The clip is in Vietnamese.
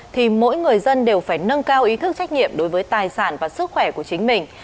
thì mỗi người dân đều phải nâng cao ý thức trách nhiệm đối với tài sản và sức khỏe của chính mình